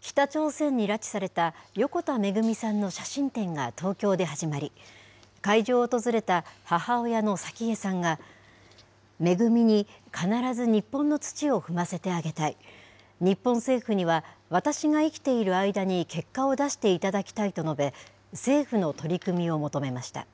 北朝鮮に拉致された横田めぐみさんの写真展が東京で始まり、会場を訪れた母親の早紀江さんが、めぐみに必ず日本の土を踏ませてあげたい、日本政府には、私が生きている間に結果を出していただきたいと述べ、政府の取り組みを求めました。